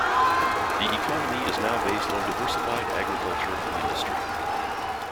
The economy is now based on diversified agriculture and industry.